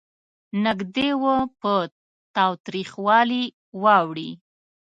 نږدې وه په تاوتریخوالي واوړي.